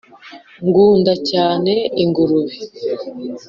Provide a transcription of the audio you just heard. Ngunda cyangwa ingurube